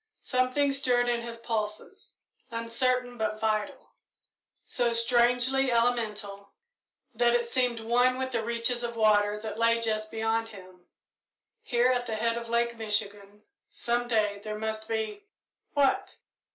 Something stirred in his pulses, uncertain but vital; so strangely elemental that it seemed one with the reaches of water that lay just beyond him. Here, at the head of Lake Michigan, some day there must be what?